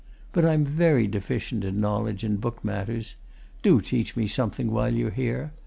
But I'm very deficient in knowledge in book matters do teach me something while you're here!